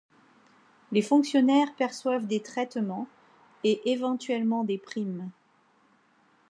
Les fonctionnaires perçoivent des traitements et éventuellement des primes.